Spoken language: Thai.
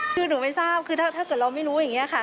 คือหนูไม่ทราบคือถ้าเกิดเราไม่รู้อย่างนี้ค่ะ